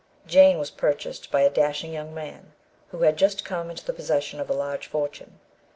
Jane was purchased by a dashing young man, who had just come into the possession of a large fortune.